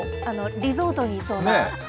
リゾートにいそうな。